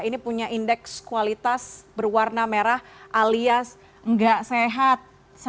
ini punya indeks kualitas berwarna merah alias nggak sehat